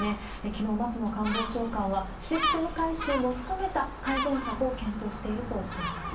きのう、松野官房長官は、システム改修も含めた改善策を検討しているとしています。